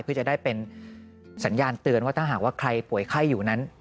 เพื่อจะได้เป็นสัญญาณเตือนว่าถ้าหากว่าใครป่วยไข้อยู่นั้น